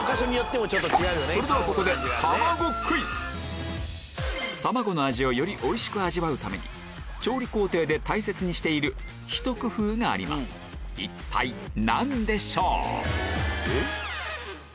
それではここでたまごの味をよりおいしく味わうために調理工程で大切にしているひと工夫がありますどうでしょう？